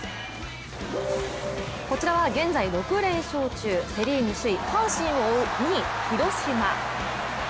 こちらは現在６連勝中セ・リーグ首位・阪神を追う２位・広島。